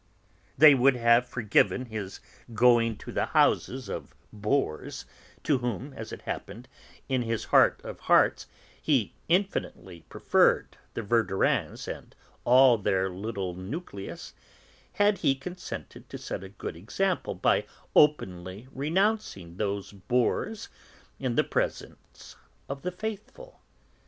They would have forgiven his going to the houses of 'bores' (to whom, as it happened, in his heart of hearts he infinitely preferred the Verdurins and all their little 'nucleus') had he consented to set a good example by openly renouncing those 'bores' in the presence of the 'faithful.'